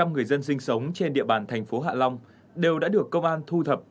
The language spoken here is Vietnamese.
một mươi người dân sinh sống trên địa bàn thành phố hạ long đều đã được công an thu thập